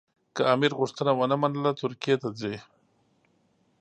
که امیر غوښتنه ونه منله ترکیې ته ځي.